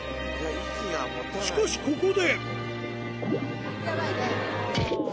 しかしここで。